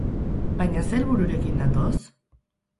Baina ze helbururekin datoz?